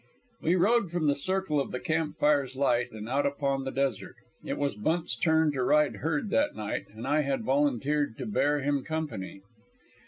We rode from the circle of the camp fire's light and out upon the desert. It was Bunt's turn to ride the herd that night, and I had volunteered to bear him company.